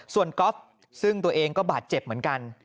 ส่วนก๊อฟซึ่งตัวเองก็บาดเจ็บเหมือนกัน